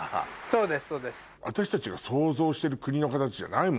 そうですそうです。